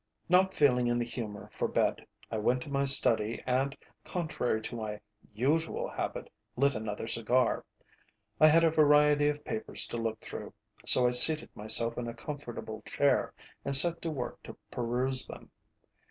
Not feeling in the humour for bed, I went to my study and, contrary to my usual habit, lit another cigar. I had a variety of papers to look through, so I seated myself in a comfortable chair and set to work to peruse them.